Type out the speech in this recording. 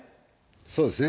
そうですね。